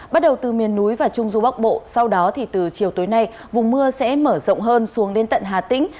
bắt đầu từ miền núi và trung du bắc bộ sau đó thì từ chiều tối nay vùng mưa sẽ mở rộng hơn xuống đến tận hà tĩnh